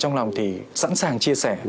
trong lòng thì sẵn sàng chia sẻ